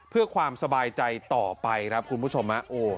เพื่อความสบายใจต่อไปครับคุณผู้ชม